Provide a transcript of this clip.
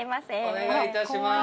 お願いいたします。